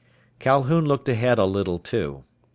Calhoun looked ahead a little, too.